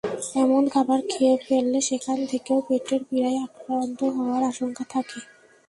এমন খাবার খেয়ে ফেললে সেখান থেকেও পেটের পীড়ায় আক্রান্ত হওয়ার আশঙ্কা থাকে।